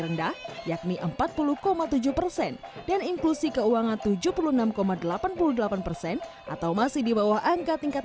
rendah yakni empat puluh tujuh persen dan inklusi keuangan tujuh puluh enam delapan puluh delapan persen atau masih di bawah angka tingkat